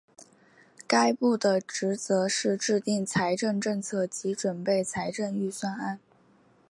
该部的职责是制定财政政策及准备财政预算案。